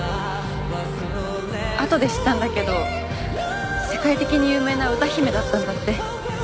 後で知ったんだけど世界的に有名な歌姫だったんだって。